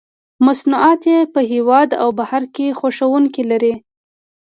مصنوعات یې په هېواد او بهر کې خوښوونکي لري.